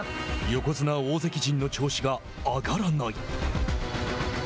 横綱・大関陣の調子が上がらない。